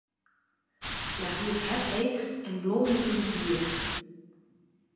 Hja hie it hert heech en blommen yn it hier.